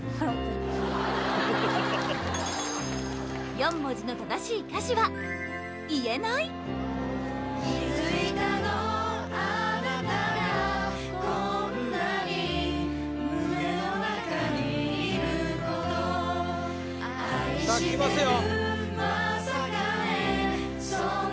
４文字の正しい歌詞はさあきますよ